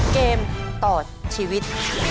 เกมต่อชีวิต